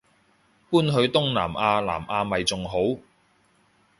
搬去東南亞南亞咪仲好